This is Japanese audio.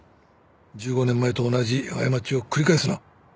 １５年前と同じ過ちを繰り返すな。